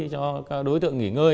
cho đối tượng nghỉ ngơi